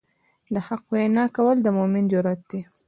د حق وینا کول د مؤمن جرئت دی.